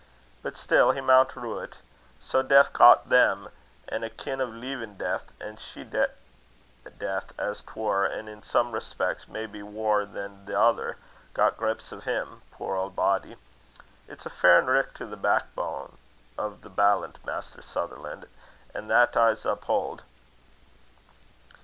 But still he maun rue't. Sae Death got them, an' a kin' o' leevin' Death, a she Death as 'twar, an' in some respecks may be waur than the ither, got grips o' him, puir auld body! It's a' fair and richt to the backbane o' the ballant, Maister Sutherlan', an' that I'se uphaud."